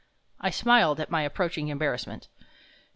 I smiled at my approaching embarrassment.